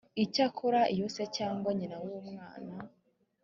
icyakora iyo se cyangwa nyina w umwana